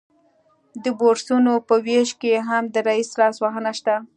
د بورسونو په ویش کې هم د رییس لاسوهنه شته